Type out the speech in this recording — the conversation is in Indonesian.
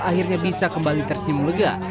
akhirnya bisa kembali tersimum lega